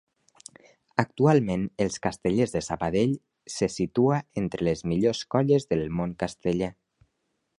Actualment els Castellers de Sabadell se situa entre les millors colles del món casteller.